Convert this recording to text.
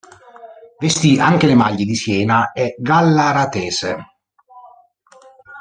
Vestì anche le maglie di Siena e Gallaratese.